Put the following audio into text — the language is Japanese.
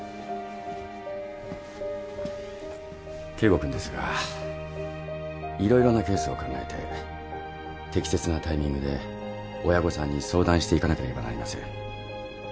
圭吾君ですが色々なケースを考えて適切なタイミングで親御さんに相談していかなければなりません。